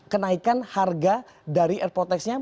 kenaikan harga dari airport tax nya